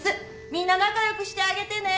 みんな仲良くしてあげてね。